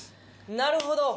なるほど！